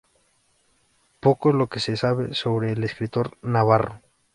Poco es lo que se sabe sobre el escritor navarro.